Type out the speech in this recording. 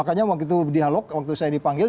jadi bagi int philosophical debate